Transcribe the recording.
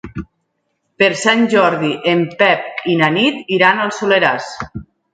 Per Sant Jordi en Pep i na Nit iran al Soleràs.